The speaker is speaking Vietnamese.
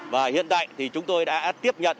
và hiện tại thì chúng tôi đã tiếp nhận